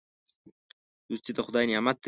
دوستي د خدای نعمت دی.